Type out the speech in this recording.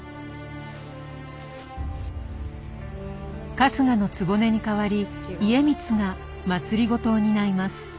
春日局に代わり家光が政を担います。